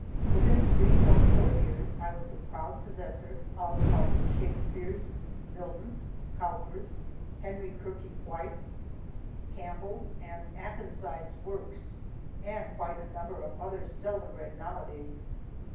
Within three or four years I was the proud possessor of parts of Shakespeare's, Milton's, Cowper's, Henry Kirke White's, Campbell's, and Akenside's works, and quite a number of others seldom read nowadays.